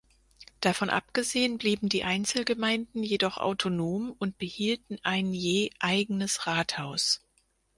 Davon abgesehen blieben die Einzelgemeinden jedoch autonom und behielten ein je eigenes Rathaus.